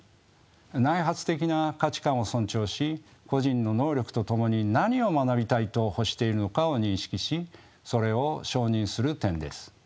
内発的な価値観を尊重し個人の能力とともに何を学びたいと欲しているのかを認識しそれを承認する点です。